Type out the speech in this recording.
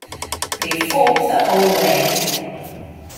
But he fought the whole way.